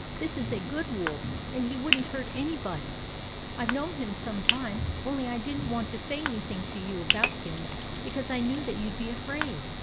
" This is a good wolf, and he would n't hurt any body. I 've known him some time, only I did n't want to say anything to you about him, because I knew that you 'd be afraid.